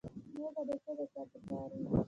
نور به څه د چا په کار وي